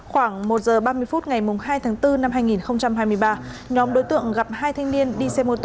khoảng một giờ ba mươi phút ngày hai tháng bốn năm hai nghìn hai mươi ba nhóm đối tượng gặp hai thanh niên đi xe mô tô